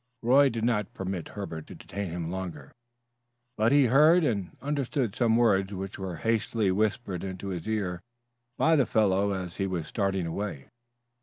Roy did not permit Herbert to detain him longer, but he heard and understood some words which were hastily whispered into his ear by the fellow as he was starting away.